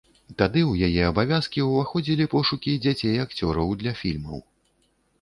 Тады ў яе абавязкі ўваходзілі пошукі дзяцей-акцёраў для фільмаў.